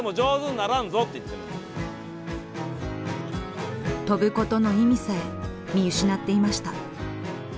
飛ぶことの意味さえ見失っていました。